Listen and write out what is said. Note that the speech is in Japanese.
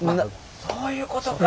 そういうことか。